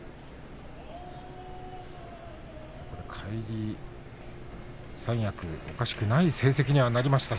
返り三役おかしくない成績にはなりました。